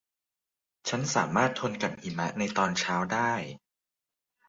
ฉันสามารถทนกับหิมะในตอนเช้าได้